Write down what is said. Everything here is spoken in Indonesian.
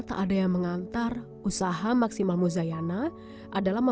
gak ada yang ma'am angel itu lah